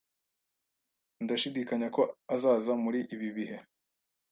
Ndashidikanya ko azaza muri ibi bihe.